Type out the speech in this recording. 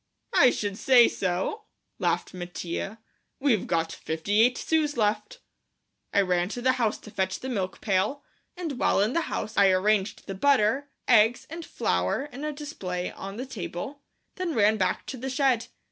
"I should say so," laughed Mattia; "we've got fifty eight sous left." I ran to the house to fetch the milk pail, and while in the house I arranged the butter, eggs, and flour in a display on the table, then ran back to the shed.